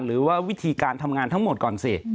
หรือว่าวิธีการทำงานทั้งหมดก่อนสิ